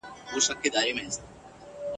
يعقوب عليه السلام لومړی خپل محبت اظهار کړ.